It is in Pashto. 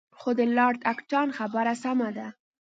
خو د لارډ اکټان خبره سمه ده.